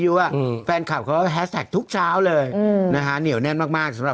โตโตแล้วอ่าฮะเมื่อก่อนมีใบด้ายอ่ะอา